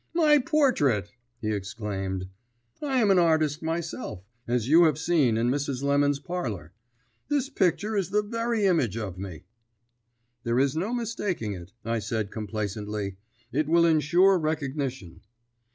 "My portrait!" he exclaimed. "I am an artist myself, as you have seen in Mrs. Lemon's parlour. This picture is the very image of me!" "There is no mistaking it," I said complacently. "It will insure recognition."